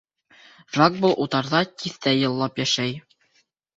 Жак был утарҙа тиҫтә йыллап йәшәй.